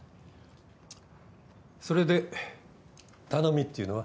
それで頼みっていうのは？